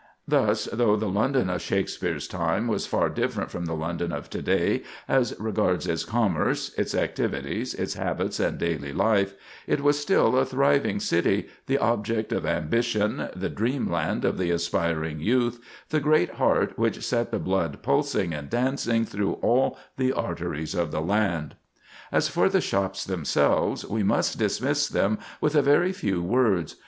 Thus, though the London of Shakspere's time was far different from the London of to day as regards its commerce, its activities, its habits and daily life, it was still a thriving city, the object of ambition, the dreamland of the aspiring youth, the great heart which set the blood pulsing and dancing through all the arteries of the land. As for the shops themselves, we must dismiss them with a very few words.